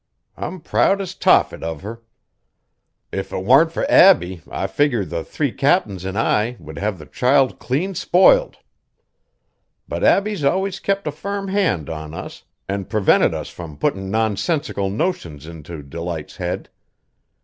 I'm proud as Tophet of her. If it warn't fur Abbie I figger the three captains an' I would have the child clean spoilt. But Abbie's always kept a firm hand on us an' prevented us from puttin' nonsensical notions into Delight's head.